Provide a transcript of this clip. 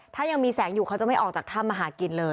ถ้ายังมีแสงอยู่เขาจะไม่ออกจากถ้ำมาหากินเลย